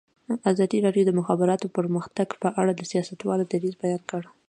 ازادي راډیو د د مخابراتو پرمختګ په اړه د سیاستوالو دریځ بیان کړی.